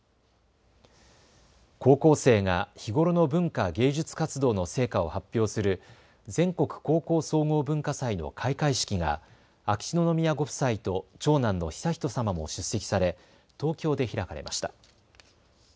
高校生が日頃の文化・芸術活動の成果を発表する全国高校総合文化祭の開会式が秋篠宮ご夫妻と長男の悠仁さまも出席され東京で開かれました。